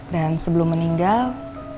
dan sebelum meninggal